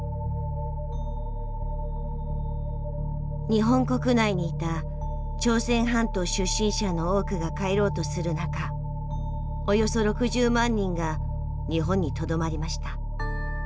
日本国内にいた朝鮮半島出身者の多くが帰ろうとする中およそ６０万人が日本にとどまりました。